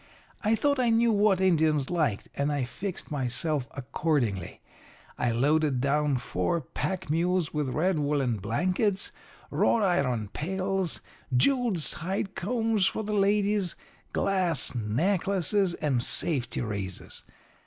I thought I knew what Indians liked, and I fixed myself accordingly. I loaded down four pack mules with red woollen blankets, wrought iron pails, jewelled side combs for the ladies, glass necklaces, and safety razors.